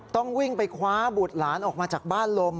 ต้องวิ่งไปคว้าบุตรหลานออกมาจากบ้านลม